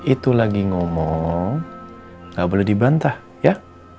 itu lagi ngomong gak boleh dibantah ya